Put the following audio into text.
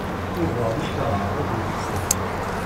D uḍan i kerheɣ ad d-mmektiɣ.